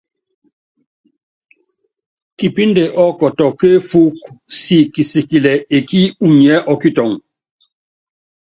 Kipínde ɔ́kɔtɔ kéefúk siki kisikilɛ ekí unyiɛ́ ɔ́kitɔŋ.